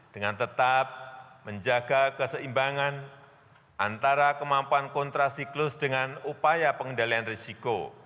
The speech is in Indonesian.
dengan tetap menjaga keseimbangan antara kemampuan kontra siklus dengan upaya pengendalian risiko